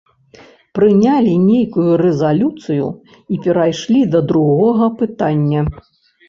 Прынялі нейкую рэзалюцыю і перайшлі да другога пытання.